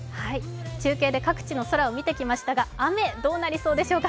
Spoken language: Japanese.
中継で各地の空見てきましたが、雨、どうでしょうか。